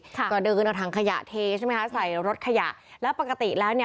ค่ะก็เดินเอาถังขยะเทใช่ไหมคะใส่รถขยะแล้วปกติแล้วเนี่ย